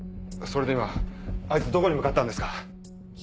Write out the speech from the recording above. それで今あいつどこに向かったんですか？